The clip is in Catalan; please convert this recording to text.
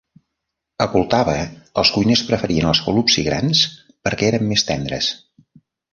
A Poltava, els cuiners preferien els holubtsi grans perquè eren més tendres.